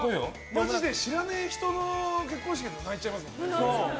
まじで知らない人の結婚式でも泣いちゃいますもん。